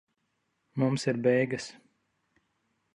Mums ir beigas.